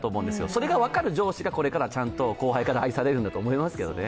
それが分かる上司がこれからちゃんと後輩から愛されるんだと思いますけどね。